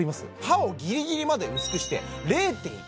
刃をギリギリまで薄くして０．１８ｍｍ